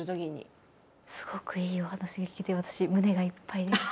すごくいいお話が聞けて私胸がいっぱいです。